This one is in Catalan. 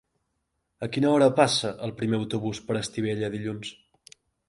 A quina hora passa el primer autobús per Estivella dilluns?